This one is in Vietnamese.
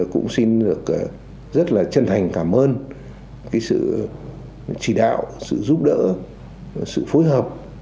cũng xin được rất là chân thành cảm ơn sự chỉ đạo sự giúp đỡ sự phối hợp